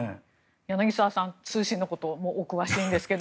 柳澤さん、通信のことお詳しいんですが。